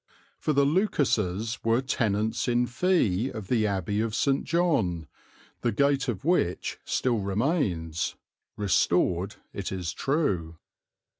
For the Lucases were tenants in fee of the Abbey of St. John, the gate of which still remains, restored it is true.